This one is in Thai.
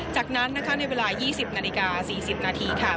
จากนั้นนะคะในเวลา๒๐นาฬิกา๔๐นาทีค่ะ